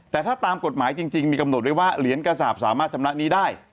แต่ถ้าตามกฎหมายจริงมีกำหนดไว้ว่าเหรียญกระสาปสามารถชำระหนี้ได้